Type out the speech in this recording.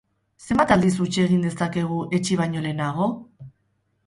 Zenbat aldiz huts egin dezakegu etsi baino lehenago?